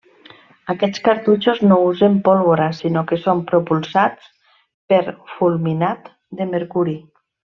Aquests cartutxos no usen pólvora, sinó que són propulsats per Fulminat de mercuri.